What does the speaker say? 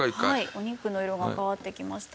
お肉の色が変わってきました。